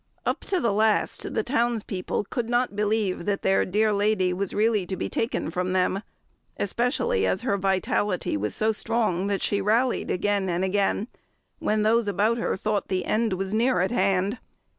Up to the last the townspeople could not believe that their "dear lady" was really to be taken from them, especially as her vitality was so strong that she rallied again and again, when those about her thought that the end was near at hand.